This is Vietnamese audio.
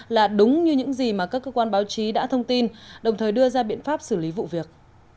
là đúng như những gì mà các cơ quan báo chí đã thông tin đồng thời đưa ra biện pháp xử lý vụ việc